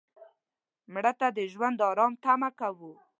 مړه ته د ژوند آرام تمه کوو